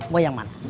mau yang mana